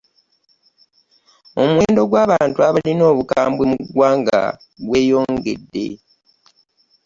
Omuwendo gw'abantu abalina Omukambwe mu ggwanga gweyongedde